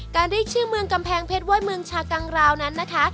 เรียกชื่อเมืองกำแพงเพชรว่าเมืองชากังราวนั้นนะคะ